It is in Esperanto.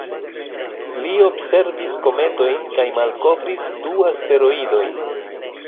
Li observis kometojn kaj malkovris du asteroidojn.